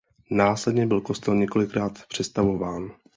Následně byl kostel několikrát přestavován.